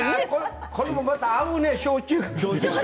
これも合うね焼酎。